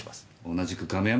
同じく亀山。